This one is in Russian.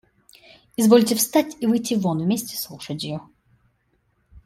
Извольте встать и выйти вон вместе с лошадью.